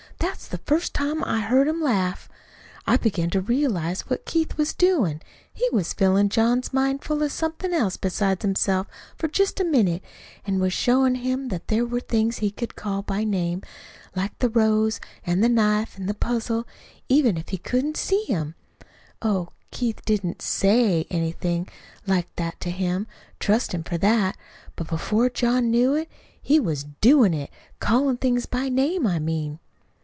That's the first time I heard him laugh. "I began to realize then what Keith was doin'. He was fillin' John's mind full of somethin' else beside himself, for just a minute, an' was showin' him that there were things he could call by name, like the rose an' the knife an' the puzzle, even if he couldn't SEE 'em. Oh, Keith didn't SAY anything like that to him trust him for that. But before John knew it, he was DOIN' it callin' things by name, I mean.